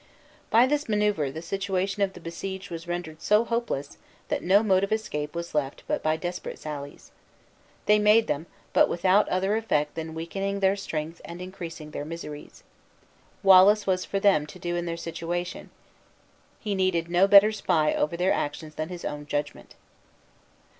By this maneuver the situation of the beseiged was rendered so hopeless, that no mode of escape was left but by desperate sallies. They made them, but without other effect than weakening their strength and increasing their miseries. Wallace was for them to do in their situation, he needed no better spy over their actions than his own judgment.